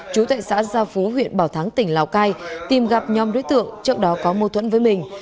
chú tại xã gia phú huyện bảo thắng tỉnh lào cai tìm gặp nhóm đối tượng trước đó có mô thuẫn với mình